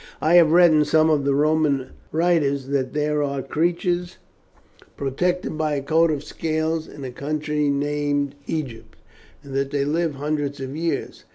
I have read in some of the Roman writers that there are creatures protected by a coat of scales in a country named Egypt, and that they live hundreds of years.